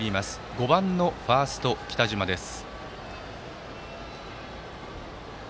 ５番のファースト、北嶋です。